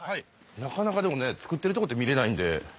なかなか造ってるとこって見れないんで。